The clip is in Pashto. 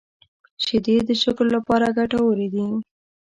شیدې د شکر لپاره ګټورې دي